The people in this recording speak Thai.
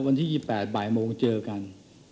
วันที่๒๘บ่ายโมงเจอกัน